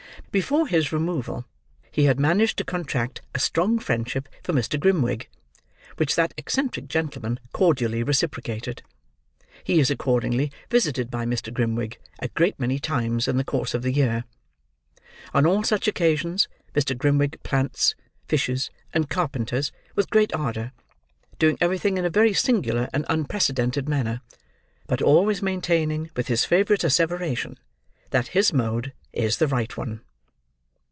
Before his removal, he had managed to contract a strong friendship for Mr. Grimwig, which that eccentric gentleman cordially reciprocated. He is accordingly visited by Mr. Grimwig a great many times in the course of the year. On all such occasions, Mr. Grimwig plants, fishes, and carpenters, with great ardour; doing everything in a very singular and unprecedented manner, but always maintaining with his favourite asseveration, that his mode is the right one.